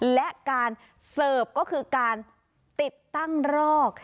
และการเสิร์ฟก็คือการติดตั้งรอก